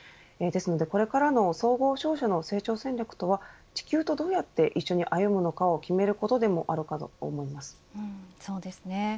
ですので、これからの総合商社の成長戦略とは地球とどうやって一緒に歩むのか決めることでもあるようにそうですね。